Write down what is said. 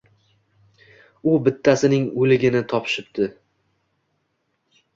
U bittasining o‘ligini topishibdi.